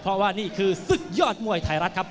เพราะว่านี่คือศึกยอดมวยไทยรัฐครับ